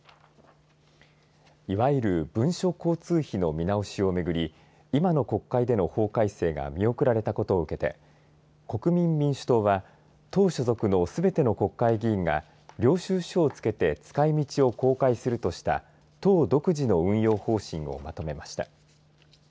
いわゆる文書交通費の見直しをめぐり今の国会での法改正が見送られたことを受けて国民民主党は党所属のすべての国会議員が領収書を付けて使いみちを公開するとした党独自の運用方針をまとめました。